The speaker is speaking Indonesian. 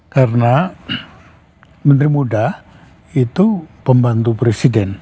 karena menteri muda itu pembantu presiden